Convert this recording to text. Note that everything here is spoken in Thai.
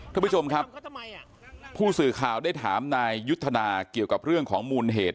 ท่านผู้ชมครับผู้สื่อข่าวได้ถามนายยุทธนาเกี่ยวกับเรื่องของมูลเหตุ